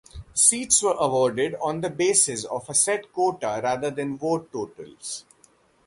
Seats were awarded on the basis of a set quota rather than vote totals.